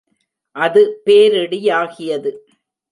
அது பேரிடி யாகியது.